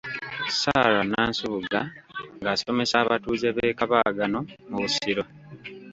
Sarah Nansubuga ng'asomesa abatuuze b'e Kabaagano mu Busiro .